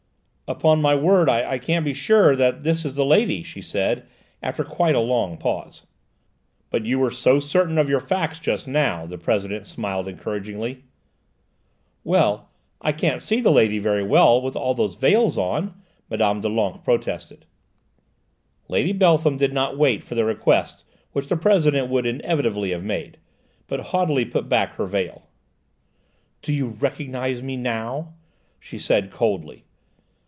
"Upon my word I can't be sure that this is the lady," she said after quite a long pause. "But you were so certain of your facts just now," the President smiled encouragingly. "But I can't see the lady very well, with all those veils on," Mme. Doulenques protested. Lady Beltham did not wait for the request which the President would inevitably have made, but haughtily put back her veil. "Do you recognise me now?" she said coldly.